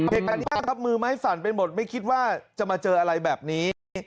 เพลงการนี้มือไม้สั่นเป็นหมดไม่คิดว่าจะมาเจออะไรแบบนี้